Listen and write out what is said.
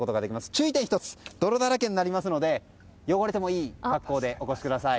注意点が１つ泥だらけになりますので汚れてもいい格好でお越しください。